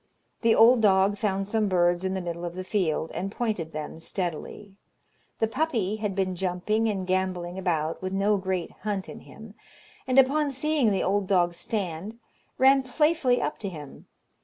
The old dog found some birds in the middle of the field, and pointed them steadily. The puppy had been jumping and gambolling about, with no great hunt in him, and upon seeing the old dog stand, ran playfully up to him.